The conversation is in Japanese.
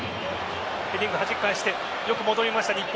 ヘディングではじき返してよく戻りました日本。